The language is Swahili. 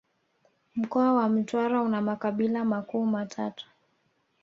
Mkoa wa Mtwara una makabila makuu matatu